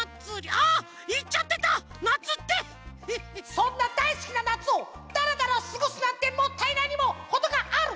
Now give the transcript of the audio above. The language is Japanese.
そんなだいすきななつをダラダラすごすなんてもったいないにもほどがある！